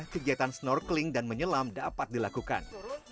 kegiatan snorkeling dan menyelam dapat dilakukan